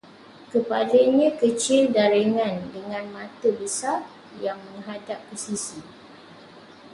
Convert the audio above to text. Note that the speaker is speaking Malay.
Kepalanya kecil dan ringan dengan mata besar yang menghadap ke sisi